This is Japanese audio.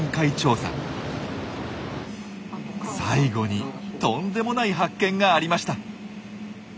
最後にとんでもない発見がありました。